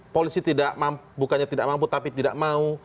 polisi bukannya tidak mampu tapi tidak mau